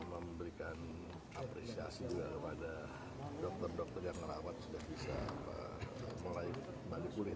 memberikan apresiasi juga kepada dokter dokter yang merawat sudah bisa mulai kembali pulih